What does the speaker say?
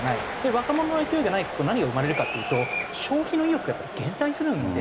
若者の勢いがないと何が生まれるかっていうと消費の意欲がやっぱり減退するんですよね。